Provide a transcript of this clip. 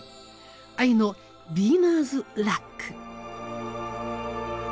愛のビギナーズラック。